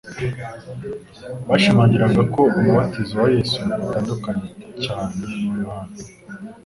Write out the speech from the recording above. bashimangiraga ko umubatizo wa Yesu utandukanye cyane n'uwa Yohana.